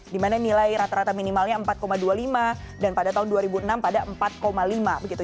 dimana nilai rata rata minimalnya empat dua puluh lima dan pada tahun dua ribu enam pada empat lima begitu